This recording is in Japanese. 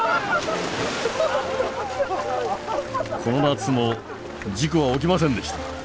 この夏も事故は起きませんでした。